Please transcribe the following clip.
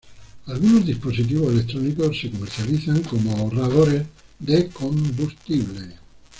Algunos dispositivos electrónicos se comercializan como ahorradores de combustible.